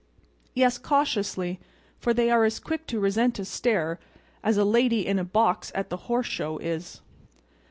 Yes, cautiously; for they are as quick to resent a stare as a lady in a box at the horse show is.